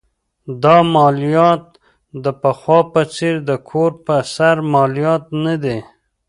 دا مالیات د پخوا په څېر د کور پر سر مالیات نه دي.